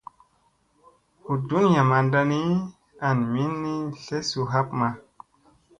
Hu ɗuniya manɗa ni, an minni tlesu hapma.